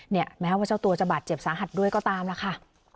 แม้ว่าเจ้าตัวจะบาดเจ็บสาหัสด้วยก็ตามล่ะค่ะ